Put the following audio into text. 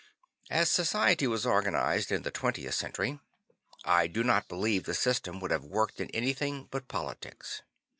As society was organized in the 20th Century, I do not believe the system could have worked in anything but politics.